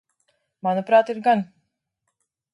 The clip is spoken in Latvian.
Manuprāt, ir gan.